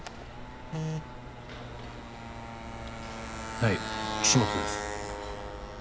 はい岸本です。